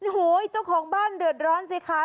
โอ้โหเจ้าของบ้านเดือดร้อนสิคะ